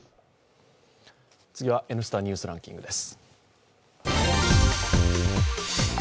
次は「Ｎスタ・ニュースランキング」です。